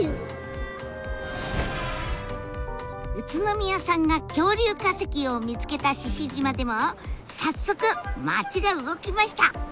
宇都宮さんが恐竜化石を見つけた獅子島でも早速町が動きました！